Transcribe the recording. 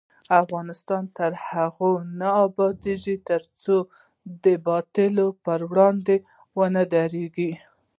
افغانستان تر هغو نه ابادیږي، ترڅو د باطل پر وړاندې ودریږو.